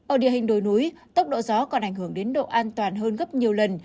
ở địa hình đồi núi tốc độ gió còn ảnh hưởng đến độ an toàn hơn gấp nhiều lần